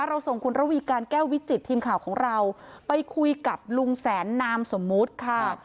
ส่งคุณระวีการแก้ววิจิตทีมข่าวของเราไปคุยกับลุงแสนนามสมมุติค่ะ